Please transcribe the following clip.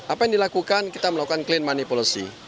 apa yang dilakukan kita melakukan clean money policy